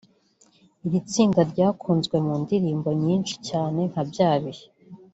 Iri tsinda ryakunzwe mu ndirimbo nyinshi cyane nka Bya bihe